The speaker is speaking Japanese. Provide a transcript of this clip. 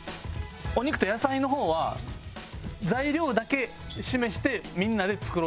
お肉と野菜の方は材料だけ示してみんなで作ろうと思って。